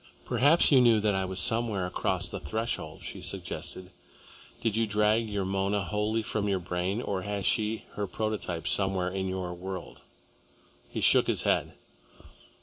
"Perhaps you knew that I was somewhere across the threshold," she suggested. "Did you drag your Mona wholly from your brain, or has she her prototype somewhere in your world?" He shook his head.